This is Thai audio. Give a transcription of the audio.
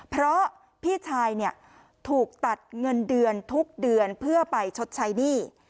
เพราะพี่ชายเนี่ยถูกตัดเงินเดือนทุกเดือนเพื่อไปชดใช้หนี้